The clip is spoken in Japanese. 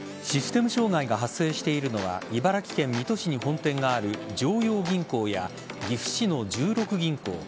システム障害が発生しているのは茨城県水戸市に本店がある常陽銀行や岐阜市の十六銀行